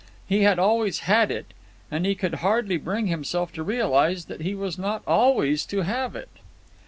He had always had it, and he could hardly bring himself to realize that he was not always to have it.